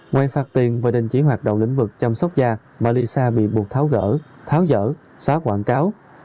ngoài phạt tiền và đình chỉ hoạt động lĩnh vực chăm sóc da malisa bị buộc tháo gỡ tháo dỡ xóa quảng cáo